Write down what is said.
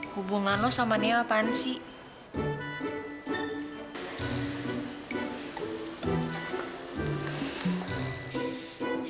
hubungan lo sama neo apaan sih